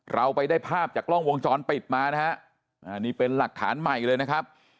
เราไปได้ภาพจากกล้องวงจรปิดมานะฮะนี่เป็นหลักฐานใหม่เลยนะครับ